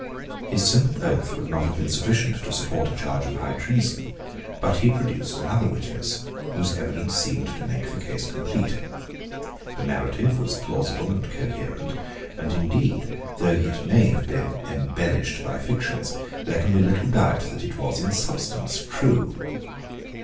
His simple oath would not have been sufficient to support a charge of high treason; but he produced another witness whose evidence seemed to make the case complete. The narrative was plausible and coherent; and indeed, though it may have been embellished by fictions, there can be little doubt that it was in substance true.